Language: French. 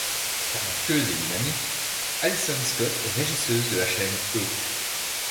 Talentueuse et dynamique, Allison Scott est régisseuse de la chaîne E!